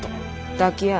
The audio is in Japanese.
抱き合え。